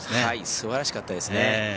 すばらしかったですね。